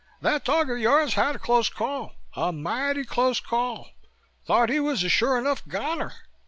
"That dog of yours had a close call, a mighty close call. Thought he was a sure enough goner.